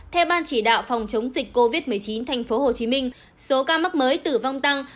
theo ban chỉ đạo phòng chống dịch covid một mươi chín tp hcm số ca mắc mới tử vong tăng